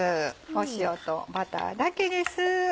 塩とバターだけです。